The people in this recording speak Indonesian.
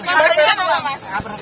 respon presiden bagaimana mas